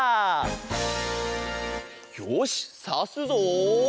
よしさすぞ。